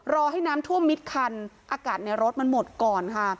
ให้น้ำท่วมมิดคันอากาศในรถมันหมดก่อนค่ะ